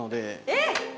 えっ！